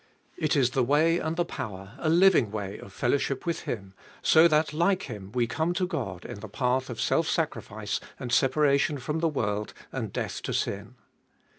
It is the way and the power, a living way of fellowship with Him, so that like Him we come to God in the path of self sacrifice and separation from the world and death to sin.